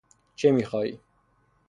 چه میخواهی؟